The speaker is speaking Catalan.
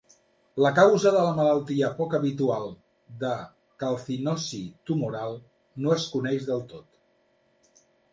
La causa de la malaltia poc habitual de calcinosi tumoral no es coneix del tot.